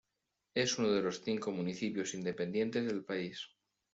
Es uno de los cinco municipios independientes del país.